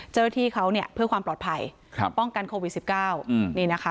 เจ้าหน้าที่เขาเนี่ยเพื่อความปลอดภัยป้องกันโควิด๑๙นี่นะคะ